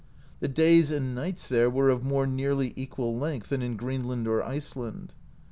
The days and nights there were of more nearly equal length than in Greenland or Iceland.